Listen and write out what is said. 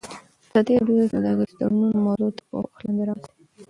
ازادي راډیو د سوداګریز تړونونه موضوع تر پوښښ لاندې راوستې.